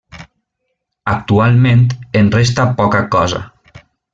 Actualment en resta poca cosa.